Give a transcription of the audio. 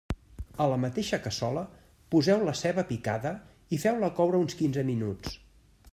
A la mateixa cassola poseu la ceba picada i feu-la coure uns quinze minuts.